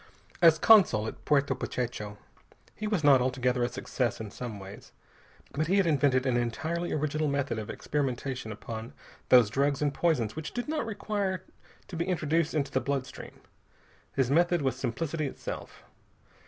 As consul at Puerto Pachecho he was not altogether a success in some ways, but he had invented an entirely original method of experimentation upon those drugs and poisons which did not require to be introduced into the blood stream. His method was simplicity itself.